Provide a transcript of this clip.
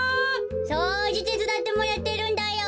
そうじてつだってもらってるんだよ。